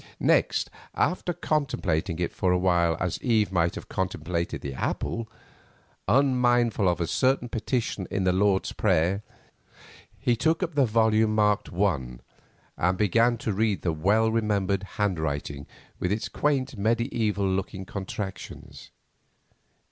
Next, after contemplating it for a while as Eve might have contemplated the apple, unmindful of a certain petition in the Lord's Prayer, he took up the volume marked I, and began to read the well remembered hand writing with its quaint mediaeval looking contractions.